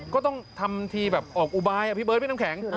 ก็ต้องทำทีแบบออกอุบายพี่เบิร์ดพี่น้ำแข็ง